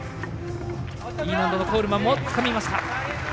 Ｅ難度のコールマンもつかみました。